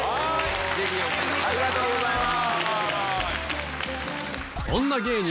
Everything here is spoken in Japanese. ありがとうございます！